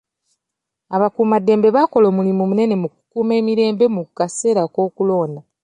Abakuumaddembe bakola omulimi munene mu kukuuma emirembe mu kaseera k'okulonda.